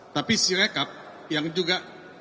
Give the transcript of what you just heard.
tapi sirekap yang juga